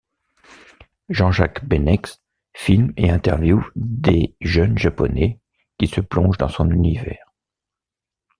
Jean-Jacques Beineix filme et interviewe des jeunes japonais qui se plongent dans son univers.